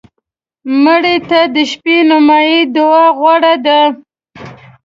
مړه ته د شپه نیمایي دعا غوره ده